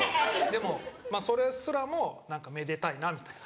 でもそれすらも何かめでたいなみたいな。